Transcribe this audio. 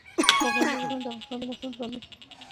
پابندی غرونه د افغانستان د موسم د بدلون سبب کېږي.